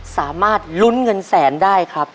สามารถลุ้นเงินแสนได้ครับ